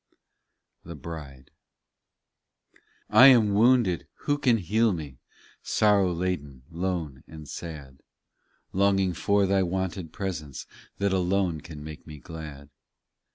THE BRIDE 1 am wounded ; who can heal me ? Sorrow laden, lone, and sad ; Longing for Thy wonted presence, That alone can make me glad.